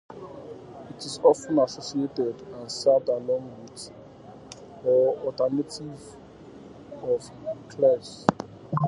It is often associated and served along with or alternative of Kheer.